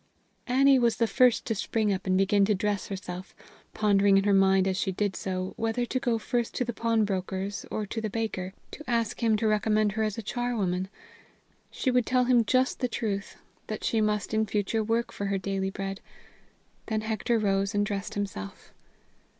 Annie was the first to spring up and begin to dress herself, pondering in her mind as she did so whether to go first to the pawnbroker's or to the baker, to ask him to recommend her as a charwoman. She would tell him just the truth that she must in future work for her daily bread. Then Hector rose and dressed himself.